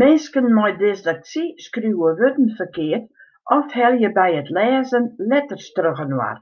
Minsken mei dysleksy skriuwe wurden ferkeard of helje by it lêzen letters trochinoar.